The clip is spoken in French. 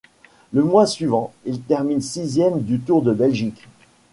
Le mois suivant, il termine sixième du Tour de Belgique.